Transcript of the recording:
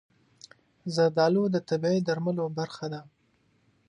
زردالو د طبیعي درملو برخه ده.